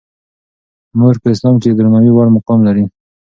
مور په اسلام کې د درناوي وړ مقام لري.